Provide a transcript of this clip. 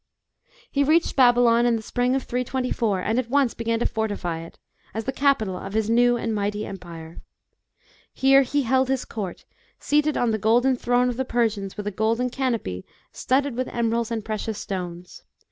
He reached Babylon in the spring of 324, and at once began to fortify it, as the capital of his new and mighty empire. Here he held his court, seated on the golden throne of the Persians, with a golden canopy studded with emeralds and precious stones.